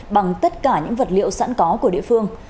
bằng tất cả những vật liệu sẵn có của địa phương